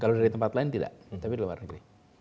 kalau dari tempat lain tidak tapi di luar negeri